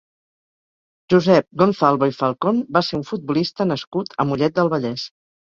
Josep Gonzalvo i Falcon va ser un futbolista nascut a Mollet del Vallès.